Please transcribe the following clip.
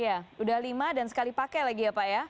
iya udah lima dan sekali pakai lagi ya pak ya